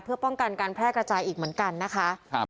เพื่อป้องกันการแพร่กระจายอีกเหมือนกันนะคะ